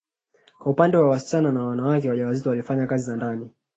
Kwa upande wa wasichana na wanawake wajawazito walifanya kazi za ndani